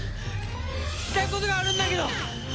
聞きたいことがあるんだけど！